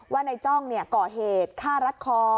ว่านายจ้องก่อเหตุฆ่ารัดคอ